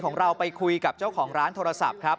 ของเราไปคุยกับเจ้าของร้านโทรศัพท์ครับ